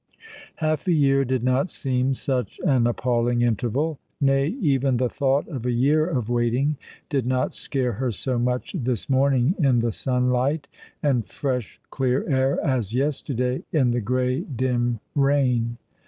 Half a year did not seem such an appalling interval — nay, even the thought of a year of waiting did not scare her so much this morning in tho sunlight and fresh clear air as yesterday in tho grey dim rain.